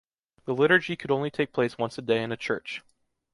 The liturgy could only take place once a day in a church.